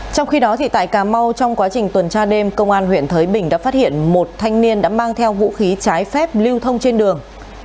trong khi đó tại cà mau trong quá trình tuần tra đêm công an huyện thới bình đã phát hiện một thanh niên đã mang theo vũ khí trái phép lưu thông trên đường